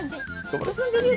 進んでるよ